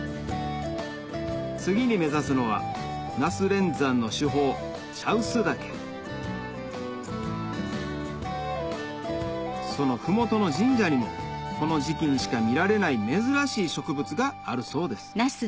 次に目指すのは那須連山の主峰その麓の神社にもこの時期にしか見られない珍しい植物があるそうです